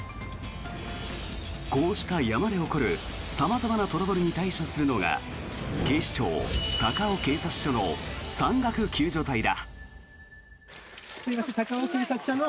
こうした山で起こる様々なトラブルに対処するのが警視庁高尾警察署の山岳救助隊だ。